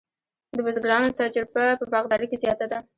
د بزګرانو تجربه په باغدارۍ کې زیاته ده.